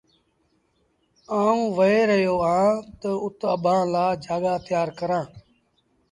آئوٚنٚ وهي رهيو اهآنٚ تا اُت اڀآنٚ لآ جآڳآ تيآر ڪرآݩٚ۔